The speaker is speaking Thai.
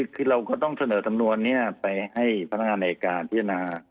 คือเราก็ต้องเสนอสำนวนนี้ไปให้พนักงานในการพิจารณา